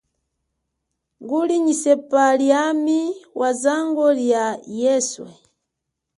Nguli nyi sepa liami wazango lia yeswe.